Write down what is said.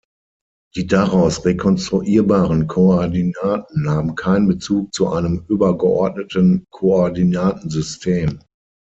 Die daraus rekonstruierbaren Koordinaten haben keinen Bezug zu einem übergeordneten Koordinatensystem.